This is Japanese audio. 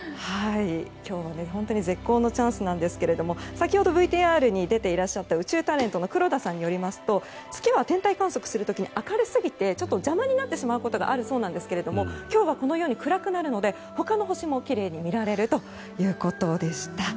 今日は本当に絶好のチャンスなんですけども先ほど、ＶＴＲに出ていらっしゃった宇宙タレントの黒田さんによりますと月は天体観測する時に明るすぎて邪魔になってしまうことがあるそうなんですが今日は暗くなるので他の星もきれいに見られるということでした。